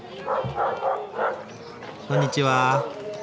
こんにちは。